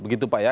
begitu pak ya